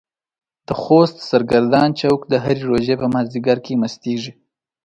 د خوست سرګردان چوک د هرې روژې په مازديګر کې مستيږي.